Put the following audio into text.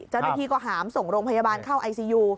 เจ้าหน้าที่ก็หามส่งโรงพยาบาลเข้าไอซียู